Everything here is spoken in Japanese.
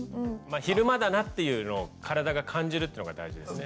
昼間だなっていうのを体が感じるっていうのが大事ですね。